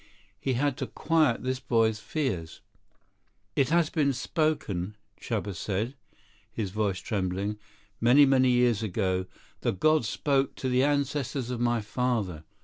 He had to quiet this boy's fears. "It has been spoken," Chuba said, his voice trembling. "Many, many years ago, the gods spoke to the ancestors of my father.